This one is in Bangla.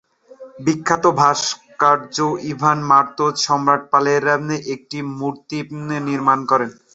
বিখ্যাত ভাস্কর ইভান মারতোস সম্রাট পলের একটি মূর্তি নির্মাণ করেন।